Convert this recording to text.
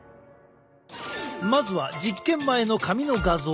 まずは実験前の髪の画像。